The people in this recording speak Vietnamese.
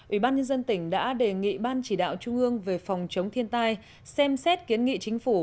ủy ban nhân dân tỉnh đã đề nghị ban chỉ đạo trung ương về phòng chống thiên tai xem xét kiến nghị chính phủ